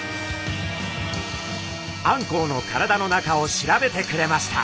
あんこうの体の中を調べてくれました。